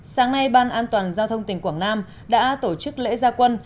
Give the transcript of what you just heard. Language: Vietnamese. sáng nay ban an toàn giao thông tỉnh quảng nam đã tổ chức lễ gia quân